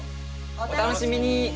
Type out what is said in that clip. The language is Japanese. お楽しみに！